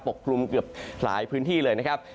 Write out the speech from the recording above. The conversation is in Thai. นี่คือความรอนที่เราจะเจอกันในวันนี้นะครับ